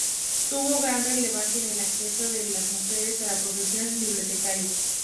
Tuvo gran relevancia en el acceso de las mujeres a la profesión bibliotecaria.